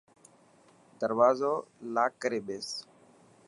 دروازو لاڪ ڪري ٻيس.